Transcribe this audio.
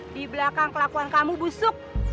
di belakang kelakuan kamu busuk